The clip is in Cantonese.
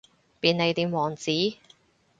便利店王子